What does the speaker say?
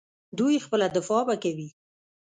دوی خپله دفاع به کوي.